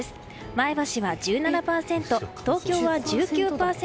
前橋は１７％、東京は１９％